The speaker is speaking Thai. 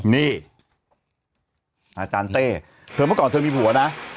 นี่อาจารย์เต้เธอเมื่อก่อนเธอมีผัวนะ